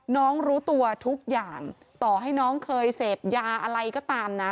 รู้ตัวทุกอย่างต่อให้น้องเคยเสพยาอะไรก็ตามนะ